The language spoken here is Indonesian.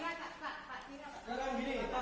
sekarang gini pak adam